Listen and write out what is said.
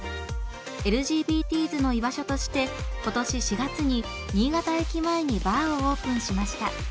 ＬＧＢＴｓの居場所として今年４月に新潟駅前にバーをオープンしました。